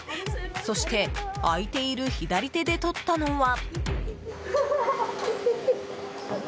そして、空いている左手で取ったのは。